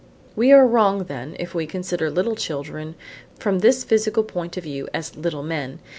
We are wrong then if we consider little children from this physical point of view as little men.